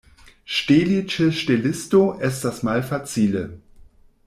Ŝteli ĉe ŝtelisto estas malfacile.